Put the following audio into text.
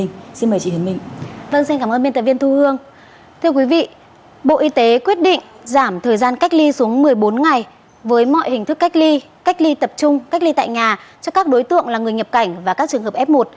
giảm thời gian cách ly xuống một mươi bốn ngày với mọi hình thức cách ly cách ly tập trung cách ly tại nhà cho các đối tượng là người nhập cảnh và các trường hợp f một